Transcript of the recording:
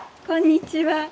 こんにちは。